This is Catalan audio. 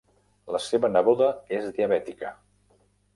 La seva neboda és diabètica.